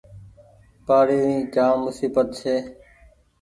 پآڻيٚ ري جآم مسيبت ڇي۔